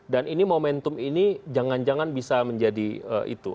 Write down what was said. dan momentum ini jangan jangan bisa menjadi itu